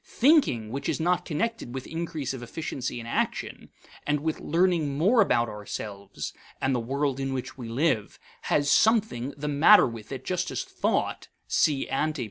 Thinking which is not connected with increase of efficiency in action, and with learning more about ourselves and the world in which we live, has something the matter with it just as thought (See ante, p.